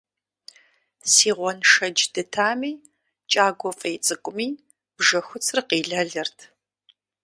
Си гъуэншэдж дытами, кӀагуэ фӀей цӀыкӀуми бжьэхуцыр къилэлырт.